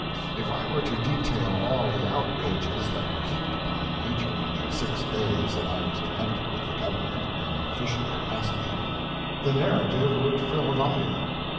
If I were to detail all the outrages that were heaped upon me during the six days that I was connected with the government in an official capacity, the narrative would fill a volume.